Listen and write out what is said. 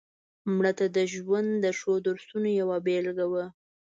مړه د ژوند ښو درسونو یوه بېلګه وه